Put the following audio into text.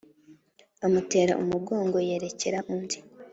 Amutera umugongo yerekera undi